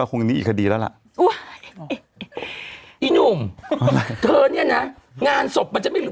คงหนีอีกคดีแล้วล่ะอีหนุ่มเธอเนี่ยนะงานศพมันจะไม่รู้